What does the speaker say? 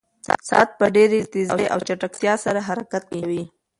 ساعت په ډېرې تېزۍ او چټکتیا سره حرکت کوي.